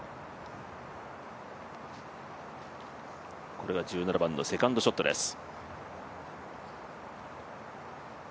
これが１７番のセカンドショットです。